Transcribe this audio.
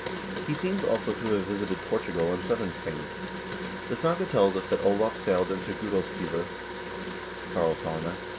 He seems also to have visited Portugal and southern Spain. The saga tells us that Olav sailed into the Guadalquivir (Karlsaaerne).